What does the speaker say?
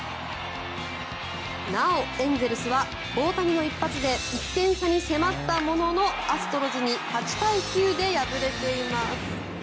なお、エンゼルスは大谷の一発で１点差に迫ったもののアストロズに８対９で敗れています。